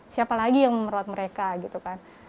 siapa lagi yang merawat mereka gitu kan